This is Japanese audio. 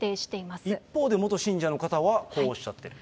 一方で、元信者の方はこうおっしゃっている。